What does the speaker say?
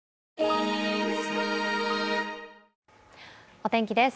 お天気です。